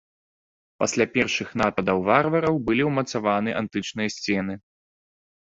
Пасля першых нападаў варвараў былі ўмацаваны антычныя сцены.